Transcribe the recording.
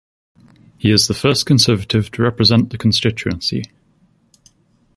He is the first Conservative to represent the constituency.